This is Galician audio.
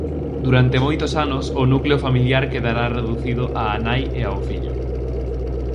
Durante moitos anos o núcleo familiar quedará reducido á nai e ao fillo.